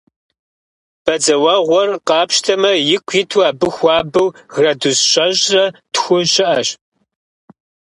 Бадзэуэгъуэр къапщтэмэ, ику иту абы хуабэу градус щэщӏрэ тху щыӏэщ.